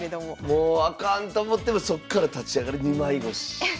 もうあかんと思ってもそっから立ち上がる二枚腰。